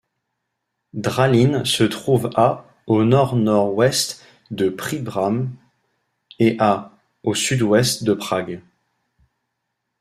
Drahlín se trouve à au nord-nord-ouest de Příbram et à au sud-ouest de Prague.